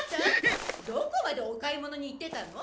どこまでお買い物に行ってたの？